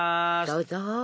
どうぞ。